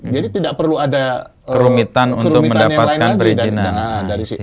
jadi tidak perlu ada kerumitan yang lain lagi